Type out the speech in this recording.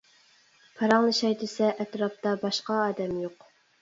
پاراڭلىشاي دېسە ئەتراپتا باشقا ئادەم يوق.